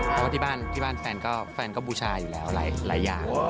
เพราะว่าที่บ้านแฟนก็แฟนก็บูชาอยู่แล้วหลายอย่าง